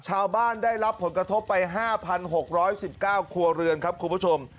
ได้รับผลกระทบไป๕๖๑๙ครัวเรือนครับคุณผู้ชม